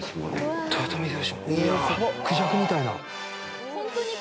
クジャクみたいな？